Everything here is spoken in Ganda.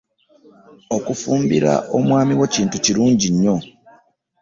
Okufumbira omwami wo kintu kirungi nnyo.